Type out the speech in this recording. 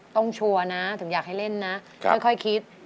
ต้องชัวร์นะขี้ยากให้เล่นนะลูกค่อยคิด